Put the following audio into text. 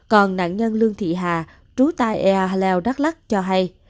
còn nạn nhân lương thị hà trú tại ea haleo đắk lắc cho hay